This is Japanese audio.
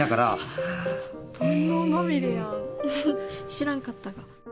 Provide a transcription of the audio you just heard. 知らんかった。